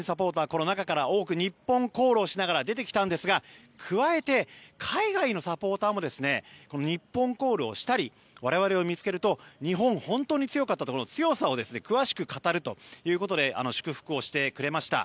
この中から多く日本コールをしながら出てきたんですが加えて海外のサポーターも日本コールをしたり我々を見つけると日本、本当に強かったと強さを詳しく語るということで祝福をしてくれました。